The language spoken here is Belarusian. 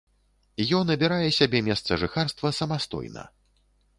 Ён абірае сябе месца жыхарства самастойна.